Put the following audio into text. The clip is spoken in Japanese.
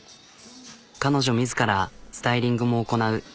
彼女自らスタイリングも行なう。